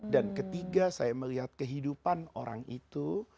dan ketiga saya melihat kehidupan orang itu